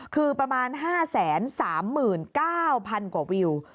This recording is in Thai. คือประมาณ๕๓๙๐๐กว่าวิว